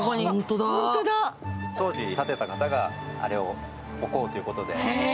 当時、建てた方があれを置こうということで。